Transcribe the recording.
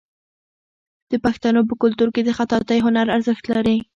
د پښتنو په کلتور کې د خطاطۍ هنر ارزښت لري.